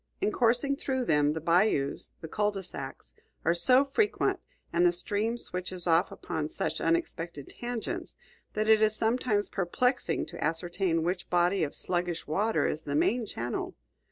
In coursing through them, the bayous, the cul de sacs, are so frequent, and the stream switches off upon such unexpected tangents, that it is sometimes perplexing to ascertain which body of sluggish water is the main channel.